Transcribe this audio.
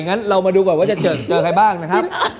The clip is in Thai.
นี่เรามาดูก่อนว่าจะเจอกันน่ะครับ